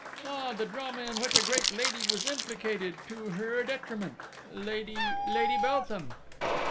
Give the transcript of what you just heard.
"Ah, the drama in which a great lady was implicated ... to her detriment! Lady ... Lady Beltham?"